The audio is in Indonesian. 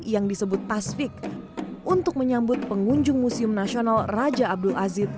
yang disebut tasfik untuk menyambut pengunjung museum nasional raja abdul aziz